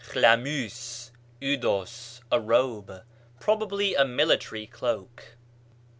χλαμύς, vdos, a robe, — probably a military cloak.